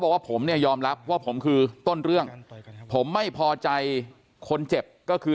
บอกว่าผมเนี่ยยอมรับว่าผมคือต้นเรื่องผมไม่พอใจคนเจ็บก็คือ